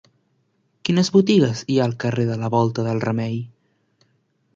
Quines botigues hi ha al carrer de la Volta del Remei?